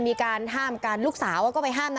มีการห้ามกันลูกสาวก็ไปห้ามนะ